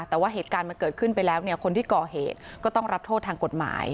แต่ว่าเหตุการณ์มันเกิดขึ้นไปแล้วเนี่ยคนที่ก่อเหตุก็ต้องรับโทษทางกฎหมาย